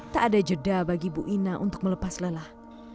tak ada jeda bagi ibu ina untuk melepas lelah